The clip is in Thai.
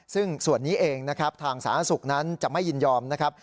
ซึ่งส่วนนี้เองนะครับทางสาธารณสุขนั้นจะไม่ยินยอมนะครับ